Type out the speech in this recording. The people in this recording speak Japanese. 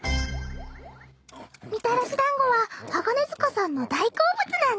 みたらし団子は鋼鐵塚さんの大好物なんです。